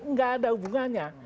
nggak ada hubungannya